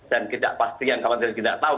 dan tidak pasti yang kawan kawan kita tahu